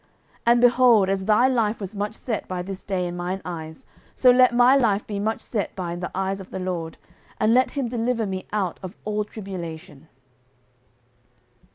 09:026:024 And, behold, as thy life was much set by this day in mine eyes, so let my life be much set by in the eyes of the LORD, and let him deliver me out of all tribulation.